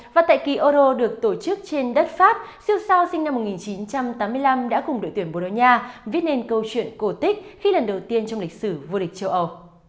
và tại kỳ euro được tổ chức trên đất pháp siêu sao sinh năm một nghìn chín trăm tám mươi năm đã cùng đội tuyển bồ đào nha viết nên câu chuyện cổ tích khi lần đầu tiên trong lịch sử vô địch châu âu